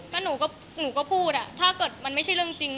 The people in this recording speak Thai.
ก็หนูก็พูดอ่ะถ้าเกิดมันไม่ใช่เรื่องจริง